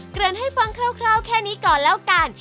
เรียนให้ฟังคร่าวแค่นี้ก่อนแล้วกัน